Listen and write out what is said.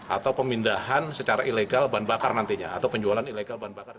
atau pemindahan secara ilegal ban bakar nantinya